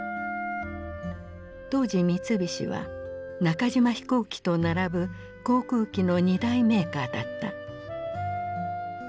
当時三菱は中島飛行機と並ぶ航空機の２大メーカーだった。